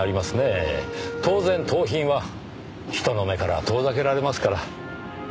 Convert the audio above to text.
当然盗品は人の目から遠ざけられますから。